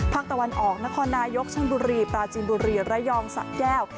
ภาคตะวันออกนครนายกชั่งบุรีปราจินบุรีระยองสัตว์แก้ว